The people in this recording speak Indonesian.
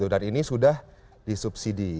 dan ini sudah disubsidi